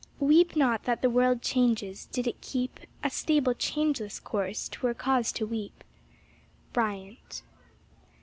"Weep not that the world changes did it keep A stable, changeless course, 'twere cause to weep." BRYANT.